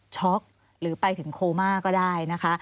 หรือไปถึงโคม่าก็ได้นะคะ